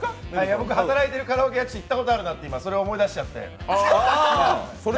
僕、働いてるカラオケ屋行ったことあるなって思い出しちゃって。